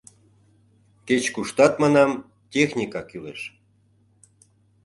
Кеч-куштат, манам, техника кӱлеш.